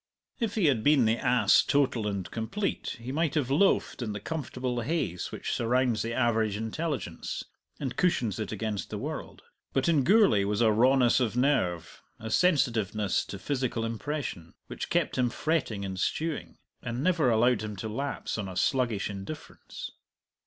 If he had been the ass total and complete he might have loafed in the comfortable haze which surrounds the average intelligence, and cushions it against the world. But in Gourlay was a rawness of nerve, a sensitiveness to physical impression, which kept him fretting and stewing, and never allowed him to lapse on a sluggish indifference.